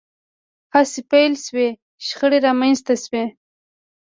هڅې پیل شوې شخړې رامنځته شوې